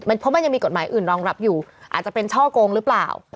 เพราะมันยังมีกฎหมายอื่นรองรับอยู่อาจจะเป็นช่อกงหรือเปล่า